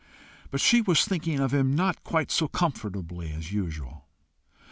But she was thinking of him not quite so comfortably as usual.